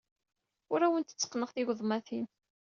Ur awent-tteqqneɣ tigeḍmatin.